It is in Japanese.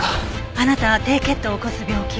あなた低血糖を起こす病気？